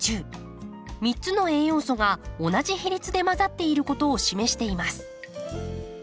３つの栄養素が同じ比率で混ざっていることを示しています。